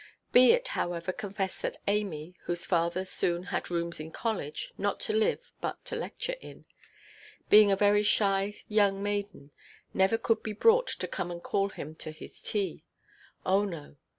Be it, however, confessed that Amy (whose father soon had rooms in college, not to live, but to lecture in), being a very shy young maiden, never could be brought to come and call him to his tea,—oh no.